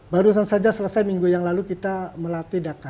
barusan saja selesai minggu yang lalu kita melatih dhaka